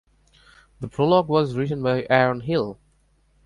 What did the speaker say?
The prologue was written by Aaron Hill.